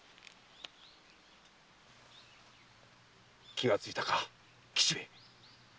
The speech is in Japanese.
気がついたか吉兵衛！